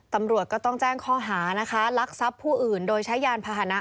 ตำรวจก็ต้องแจ้งข้อหานะคะลักทรัพย์ผู้อื่นโดยใช้ยานพาหนะ